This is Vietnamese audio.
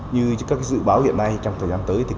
như các dự báo hiện nay trong thời gian tới